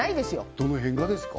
どの辺がですか？